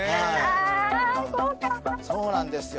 そうなんですよ